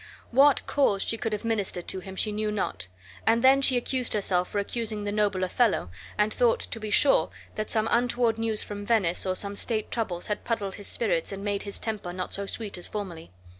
What cause she could have ministered to him she knew not, and then she accused herself for accusing the noble Othello, and thought, to be sure, that some untoward news from Venice or some state troubles had puddled his spirits and made his temper not so sweet as formerly.